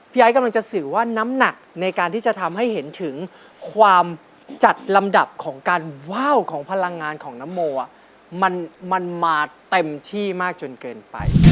ไอ้กำลังจะสื่อว่าน้ำหนักในการที่จะทำให้เห็นถึงความจัดลำดับของการว่าวของพลังงานของนโมมันมาเต็มที่มากจนเกินไป